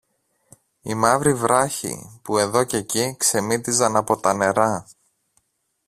οι μαύροι βράχοι, που εδώ κι εκεί ξεμύτιζαν από τα νερά